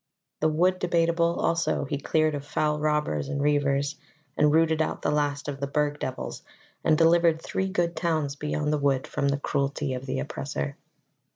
The Wood Debateable also he cleared of foul robbers and reivers, and rooted out the last of the Burg devils, and delivered three good towns beyond the wood from the cruelty of the oppressor.